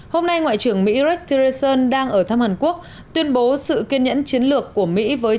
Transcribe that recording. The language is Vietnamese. hôm nay ngoại trưởng mỹ rectorison đang ở thăm hàn quốc tuyên bố sự kiên nhẫn chiến lược của mỹ với